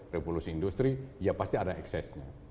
revolusi industri ya pasti ada eksesnya